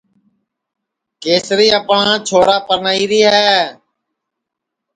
کَسری اپٹؔا چھورا پَرنائیری ہے